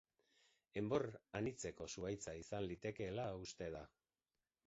Enbor anitzeko zuhaitza izan litekeela uste da.